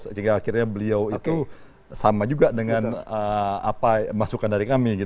sehingga akhirnya beliau itu sama juga dengan masukan dari kami